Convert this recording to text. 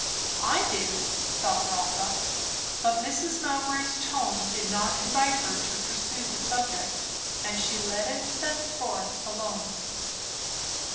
I do! thought Rotha; but Mrs. Mowbray's tone did not invite her to pursue the subject; and she let it thenceforth alone.